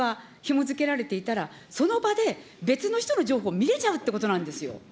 誤った情報がひも付けられていたら、その場で別の人の情報見れちゃうっていうことなんですよ。